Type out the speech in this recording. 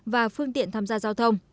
và phương tiện tham gia giao thông